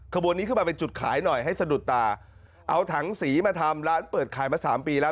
ขบวนนี้ขึ้นมาเป็นจุดขายหน่อยให้สะดุดตาเอาถังสีมาทำร้านเปิดขายมาสามปีแล้ว